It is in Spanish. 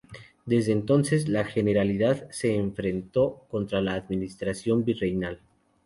Desde entonces, la Generalidad se enfrentó contra la administración virreinal.